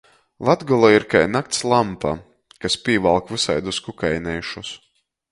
Latgola ir kai nakts lampa, kas pīvalk vysaidus kukaineišus.